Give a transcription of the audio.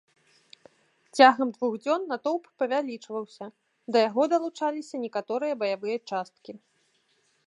Цягам двух дзён натоўп павялічваўся, да яго далучаліся некаторыя баявыя часткі.